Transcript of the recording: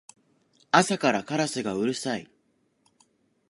朝からカラスがうるさい